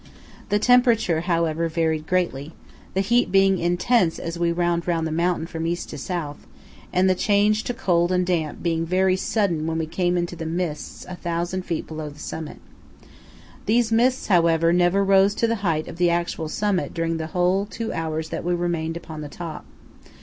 The temperature, however, varied greatly; the heat being intense as we wound round the mountain from East to South, and the change to cold and damp being very sudden when we came into the mists a thousand feet below the summit. These mists, however, never rose to the height of the actual summit during the whole two hours that we remained upon the top.